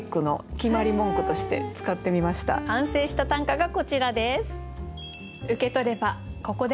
完成した短歌がこちらです。